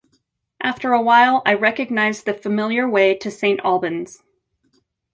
After a while I recognized the familiar way to St Albans.